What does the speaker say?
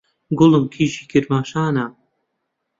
گوڵم کیژی کرماشانا